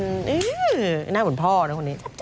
หน้าเหมือนพ่อนะคนนี้